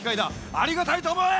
ありがたいとおもえ！